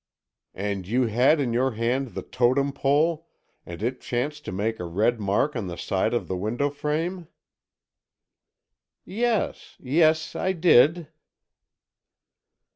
"And you had in your hand the Totem Pole and it chanced to make a red mark on the side of the window frame?" "Yes—yes, I did."